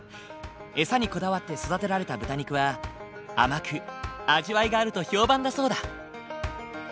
餌にこだわって育てられた豚肉は甘く味わいがあると評判だそうだ。